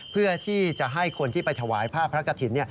เพื่อที่จะให้คนที่ไปถวายผ้าพระกฐิน